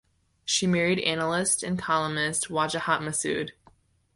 She married analyst and columnist Wajahat Masood.